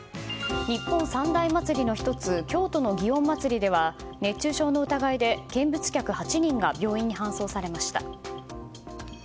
日本三大祭りの１つ京都の祇園祭では熱中症の疑いで見物客８人が病院に搬送されました。